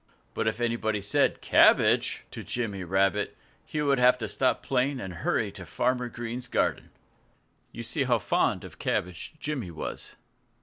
But if anybody said "cabbage" to Jimmy Rabbit he would have to stop playing and hurry to Farmer Green's garden. You see how fond of cabbage Jimmy was.